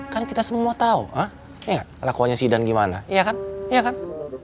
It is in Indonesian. kan kita semua tau ya lakuannya si idan gimana iya kan iya kan